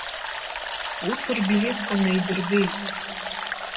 Урҭ рблеҭқәа наидырбеит.